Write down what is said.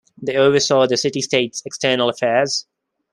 They oversaw the city state's external affairs.